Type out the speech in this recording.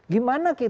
gimana kita dikawal